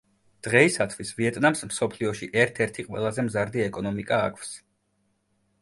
დღეისათვის ვიეტნამს მსოფლიოში ერთ-ერთი ყველაზე მზარდი ეკონომიკა აქვს.